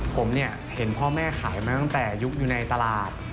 ผมเนี่ยเห็นพ่อแม่ขายมาตั้งแต่ยุคอยู่ในตลาด